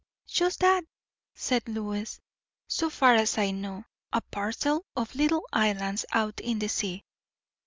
"Just that," said Lois; "so far as I know. A parcel of little islands, out in the sea."